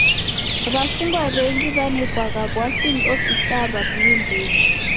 W'afungwa w'engi w'anekwagha w'asi ni ofisaa w'a w'ulindiri.